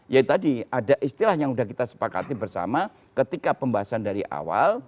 ya tadi ada istilah yang sudah kita sepakati bersama ketika pembahasan dari awal